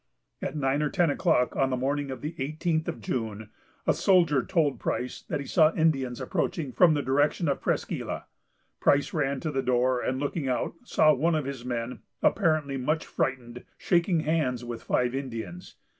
At nine or ten o'clock, on the morning of the eighteenth of June, a soldier told Price that he saw Indians approaching from the direction of Presqu' Isle. Price ran to the door, and, looking out, saw one of his men, apparently much frightened, shaking hands with five Indians.